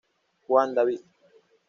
Juan David"".